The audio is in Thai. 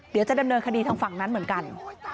เดี๋ยวจะดำเนินคดีทางฝั่งนั้นเหมือนกัน